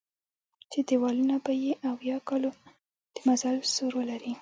چې دېوالونه به یې اویا کالو د مزل سور ولري.